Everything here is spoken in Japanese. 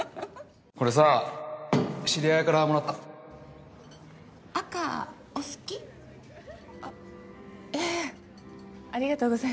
これさ知り合いからもらった赤お好き？あっええありがとうございます。